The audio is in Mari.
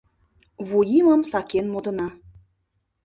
Вуйимым сакен модына.